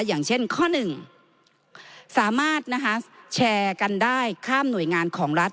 อย่างเช่นข้อหนึ่งสามารถแชร์กันได้ข้ามหน่วยงานของรัฐ